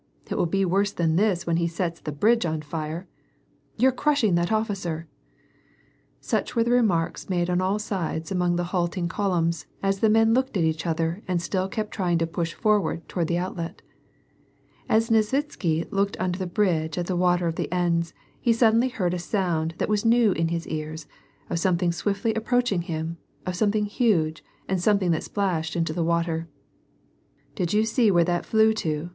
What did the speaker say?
"It will be worse than this when he sets the bridge on fire." " You're crushing that officer !" Such were the remarks made on all sides among the halting eolumns, as the men looked at each other and still kept trying to push forward toward the outlet. As !Nesvitsky looked under the bridge at the water of the Enns, he suddenly heard a sound that was new in his ears — of something swiftly approaching him, of something huge, and something that splashed into the water. " Did you see where that flew to